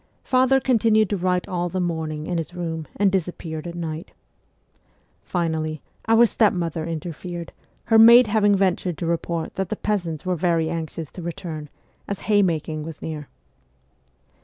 Father continued to write all the morning in his room, and disappeared at night. Finally, our stepmother inter fered, her maid having ventured to report that the peasants were very anxious to return, as haymaking was near.